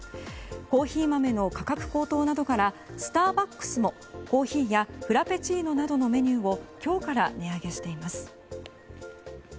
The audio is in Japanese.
コーヒー豆の価格高騰などからスターバックスも、コーヒーやフラペチーノなどのメニューを今日から値上げしています。